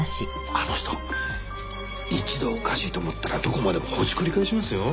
あの人一度おかしいと思ったらどこまでもほじくり返しますよ。